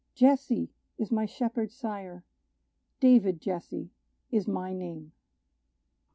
Jesse is my shepherd sire David Jesse is my name!